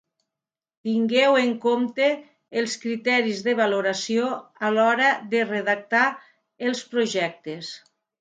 Tingueu en compte els criteris de valoració a l'hora de redactar els projectes.